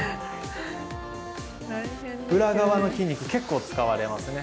裏側の筋肉結構使われますね。